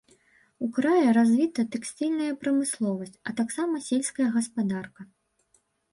У краі развіта тэкстыльная прамысловасць, а таксама сельская гаспадарка.